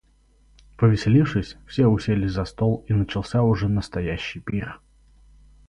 Повеселившись, все уселись за стол, и начался уже настоящий пир.